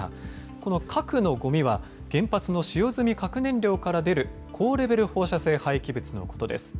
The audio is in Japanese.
この核のごみは、原発の使用済み核燃料から出る高レベル放射性廃棄物のことです。